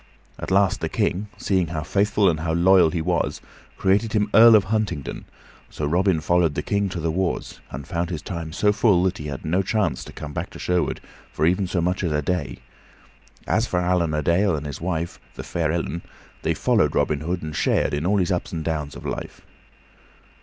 At last the King, seeing how faithful and how loyal he was, created him Earl of Huntingdon; so Robin followed the King to the wars, and found his time so full that he had no chance to come back to Sherwood for even so much as a day. As for Allan a Dale and his wife, the fair Ellen, they followed Robin Hood and shared in all his ups and downs of life.